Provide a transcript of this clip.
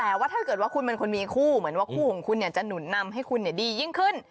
แต่ว่าถ้าเกิดว่าคุณเป็นคนมีคู่เหมือนว่าคู่ของคุณเนี่ยจะหนุนนำให้คุณดียิ่งขึ้น